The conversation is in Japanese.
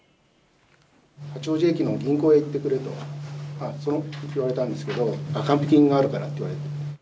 八王子駅の銀行へ行ってくれと言われたんですけれども、還付金があるからって言われて。